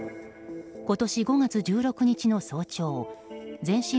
今年５月１６日の早朝全身